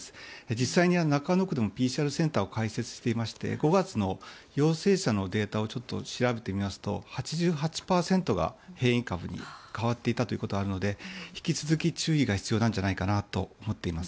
実際には中野区でもＰＣＲセンターを開設していまして５月の陽性者のデータを調べてみますと８８％が変異株に変わっていたということがあるので引き続き、注意が必要なんじゃないかなと思っています。